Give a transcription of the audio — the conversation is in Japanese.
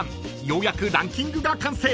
［ようやくランキングが完成］